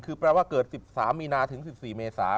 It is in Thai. คือแปลว่าเกิด๑๓๑๔เมษา